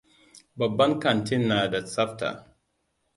Babban kantin na da tsafta.